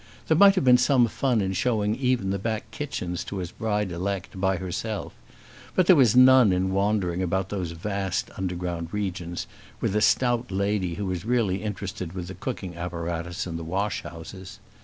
There might have been some fun in showing even the back kitchens to his bride elect, by herself; but there was none in wandering about those vast underground regions with a stout lady who was really interested with the cooking apparatus and the wash houses.